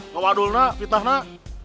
gak wadul nak fitnah nak